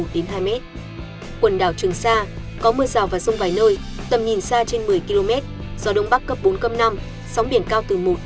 quần đảo trường sa có mưa rào và rông vài nơi tầm nhìn xa trên một mươi km gió đông bắc cấp bốn cấp năm sóng biển cao từ một